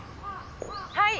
「はい」